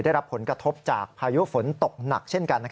ได้รับผลกระทบจากพายุฝนตกหนักเช่นกัน